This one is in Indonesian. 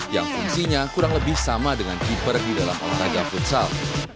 yang fungsinya kurang lebih sama dengan keeper di dalam olahraga futsal